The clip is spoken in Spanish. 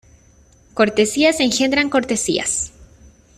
Cortesías engendran cortesías.